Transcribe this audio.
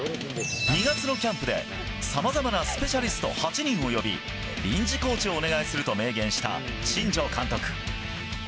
２月のキャンプで、さまざまなスペシャリスト８人を呼び臨時コーチをお願いすると明言した新庄監督。